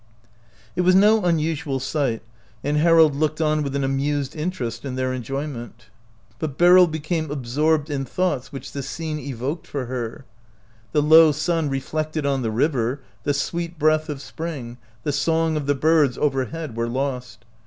It was n& untwf |l sight, and Harold OUT OF BOHEMIA looked on with an amused interest in their enjoyment; but Beryl became absorbed in thoughts which the scene evoked for her. The low sun reflected on the river, the sweet breath of spring, the song of the birds over head were lost.